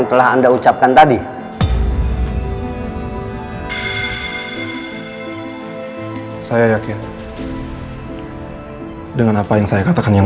sampai jumpa di video selanjutnya